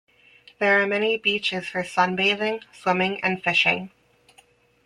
There are many beaches for sunbathing, swimming and fishing.